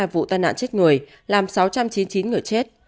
sáu trăm sáu mươi hai vụ tàn nạn chết người làm sáu trăm chín mươi chín người chết